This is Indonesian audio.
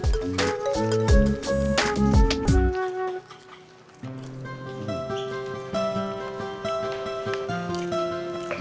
yaaay ingris ya juga focus siin